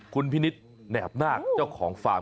คุณพินิษฐ์แหนบนาคเจ้าของฟาร์ม